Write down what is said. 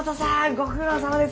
ご苦労さまです！